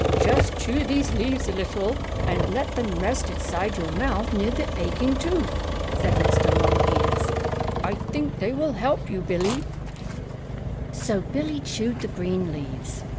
"Just chew these leaves a little and let them rest inside your mouth near the aching tooth," said Mr. Longears. "I think they will help you, Billie." So Billie chewed the green leaves.